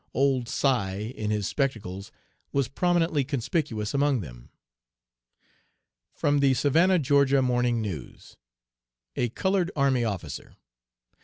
"Old Si" in his spectacles was prominently conspicuous among them. (From the Savannah (Ga.) Morning News.) A COLORED ARMY OFFICER.